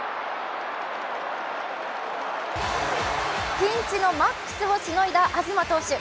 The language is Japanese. ピンチのマックスをしのいだ東投手。